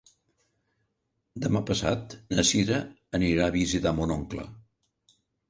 Demà passat na Cira anirà a visitar mon oncle.